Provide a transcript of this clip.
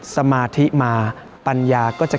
สมาธิมาปัญญาก็จะ